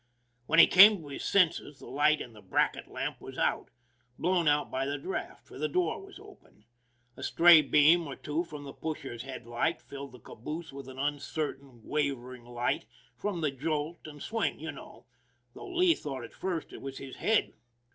When he came to his senses the light in the bracket lamp was out ; blown out by the draft, for the door was open. A stray beam or two from the pusher's headlight filled the caboose with an uncertain, wavering light from the jolt and swing, you know, though Lee thought at first it was his head.